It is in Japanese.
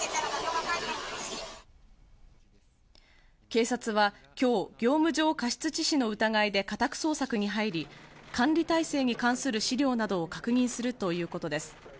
警察は今日、業務上過失致死の疑いで家宅捜索に入り、管理体制に対する資料などを確認するということです。